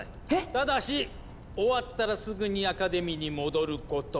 ただし終わったらすぐにアカデミーに戻ること。